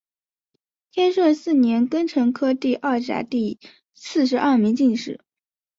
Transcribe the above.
天顺四年庚辰科第二甲第四十二名进士。